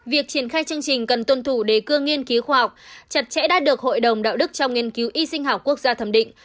việc triển khai chương trình cần tuân thủ đề cương nghiên cứu khoa học chặt chẽ đã được hội đồng đạo đức trong nghiên cứu y sinh học quốc gia thẩm định